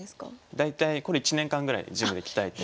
大体これ１年間ぐらいジムで鍛えて。